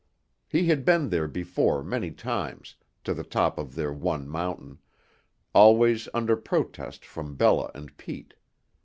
He had been there before many times, to the top of their one mountain, always under protest from Bella and Pete.